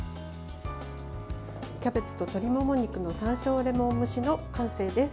キャベツと鶏もも肉の山椒レモン蒸しの完成です。